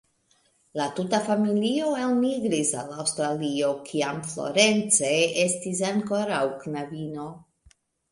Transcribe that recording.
La tuta familio elmigris al Aŭstralio, kiam Florence estis ankoraŭ knabino.